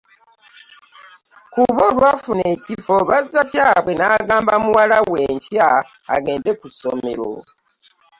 Kuba olwafuna ekifo Bazzakyabwe n'agamba muwale we enkya agende ku ssomero.